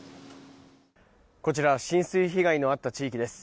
こちら浸水被害のあった地域です。